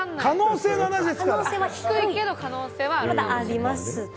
可能性は低いけれども可能性はあると。